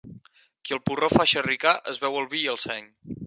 Qui el porró fa xerricar es beu el vi i el seny.